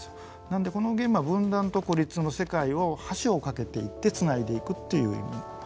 なのでこのゲームは分断と孤立の世界を橋を架けていって繋いでいくっていう意味の。